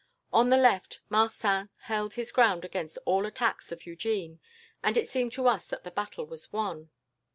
On the left, Marcin held his ground against all the attacks of Eugene, and it seemed to us that the battle was won.